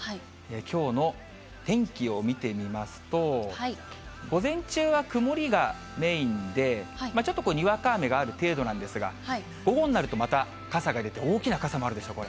きょうの天気を見てみますと、午前中は曇りがメインで、ちょっとにわか雨がある程度なんですが、午後になるとまた傘が出て、大きな傘もあるでしょ。